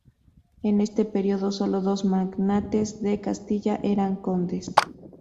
En este periodo solo dos magnates de Castilla eran condes.